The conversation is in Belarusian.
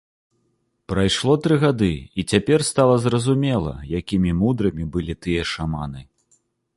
Прайшло тры гады, і цяпер стала зразумела, якімі мудрымі былі тыя шаманы.